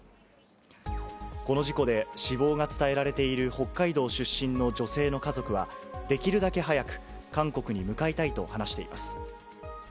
この事故で、死亡が伝えられている北海道出身の女性の家族は、できるだけ早く韓国に向かいたいと話しています。